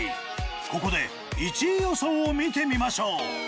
ここで１位予想を見てみましょう。